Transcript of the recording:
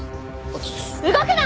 動くな！